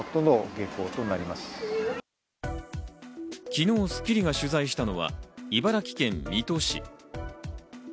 昨日『スッキリ』が取材したのは茨城県水戸市。